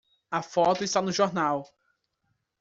A foto está no jornal!